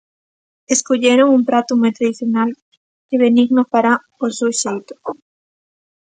Escolleron un prato moi tradicional que Benigno fará ó seu xeito.